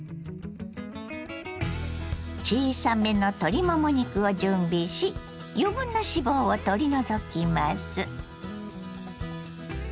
小さめの鶏もも肉を準備し余分な脂肪を取り除きます。